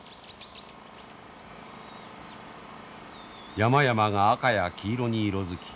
山々が赤や黄色に色づき